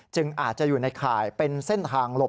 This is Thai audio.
อาจจะอยู่ในข่ายเป็นเส้นทางหลบ